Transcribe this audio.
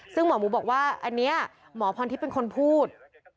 ซึ่งหมอหมูบอกว่าอันนี้หมอพรทิพย์เป็นคนพูด